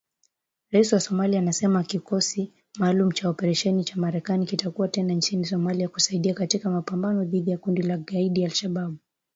Rais wa Somalia anasema kikosi maalum cha operesheni cha Marekani kitakuwa tena nchini Somalia kusaidia katika mapambano dhidi ya kundi la kigaidi la al-Shabaab